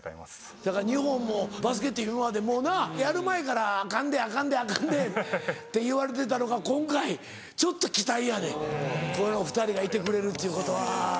そやから日本もバスケット今までもうなやる前からアカンでアカンでアカンでって言われてたのが今回ちょっと期待やねんこの２人がいてくれるということは。